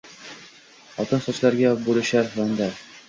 Oltin sochlariga bo’lishar banda.